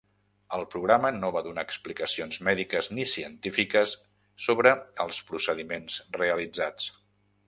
El programa no va donar explicacions mèdiques ni científiques sobre els procediments realitzats.